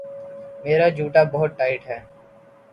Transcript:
میرا جوتا بہت ٹائٹ ہے